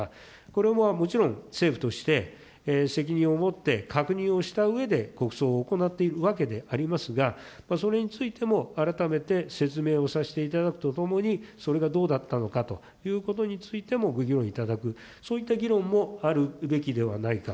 これはもちろん、政府として、責任を持って確認をしたうえで国葬を行っているわけでありますが、それについても、改めて説明をさせていただくとともに、それがどうだったのかということについてもご議論いただく、そういった議論もあるべきではないか。